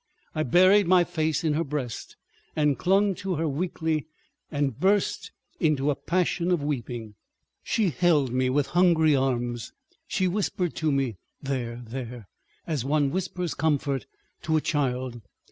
I buried my face in her breast and clung to her weakly, and burst into a passion of weeping. ... She held me with hungry arms. She whispered to me, "There, there!" as one whispers comfort to a child.